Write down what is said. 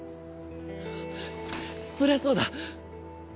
そりゃそうだ！